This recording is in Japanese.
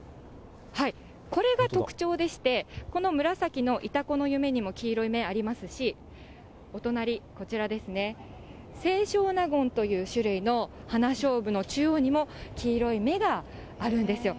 これが特徴でして、この紫のいたこのゆめにも黄色いめ、ありますし、お隣、こちらですね、清少納言という種類の花しょうぶの中央にも黄色い目があるんですよ。